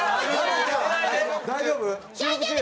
大丈夫？